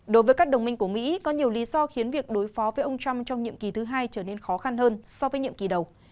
đối với các đồng minh của mỹ có nhiều lý do khiến việc đối phó với ông trump trong nhiệm kỳ thứ hai trở nên khó khăn hơn so với nhiệm kỳ đầu